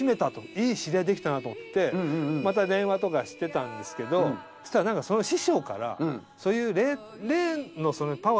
いい知り合いできたなと思ってまた電話とかしてたんですけどそしたらその師匠から。